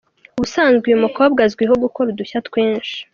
Ubusanzwe uyu mukobwa azwiho gukora udushya twinshi!!.